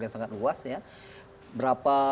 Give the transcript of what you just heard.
yang sangat luas ya berapa